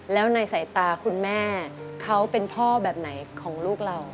แล้วในสายตาคุณแม่เขาเป็นพ่อแบบไหนของลูกเรา